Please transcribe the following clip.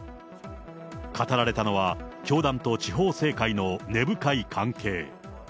語られたのは教団と地方政界の根深い関係。